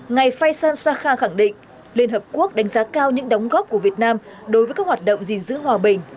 ngày faisal shah khẳng định liên hợp quốc đánh giá cao những đóng góp của việt nam đối với các hoạt động gìn giữ hòa bình